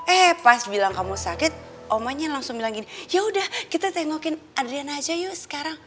eh pas bilang kamu sakit omanya langsung bilang gini yaudah kita tengokin adrian aja yuk sekarang